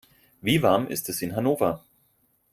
Wie warm ist es in Hannover?